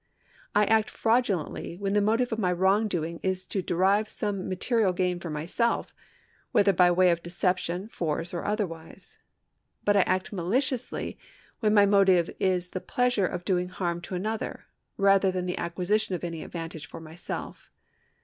I act fraudulently when the motive of my wrongdoing is to derive some material gain for myself, whether by way of deception, force, or otherwise. But I act maliciously when my motive is the pleasure of doing harm to another, rather than the acquisition of any advantage for myself.